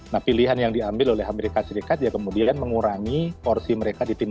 nah pilihan yang diambil oleh amerika serikat ya kemudian mengurangi porsi manfaatnya